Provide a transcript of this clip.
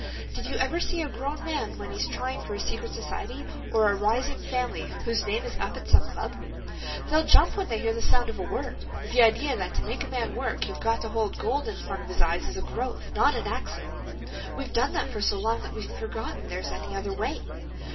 Did you ever see a grown man when he's trying for a secret society—or a rising family whose name is up at some club? They'll jump when they hear the sound of the word. The idea that to make a man work you've got to hold gold in front of his eyes is a growth, not an axiom. We've done that for so long that we've forgotten there's any other way.